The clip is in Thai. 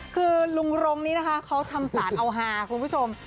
คือลุงรงนี้นะคะเขาทำสารเอาฮาคุณผู้ชม